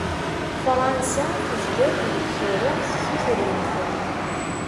Fṛansa tezga-d deg Tuṛuft Tutrimt.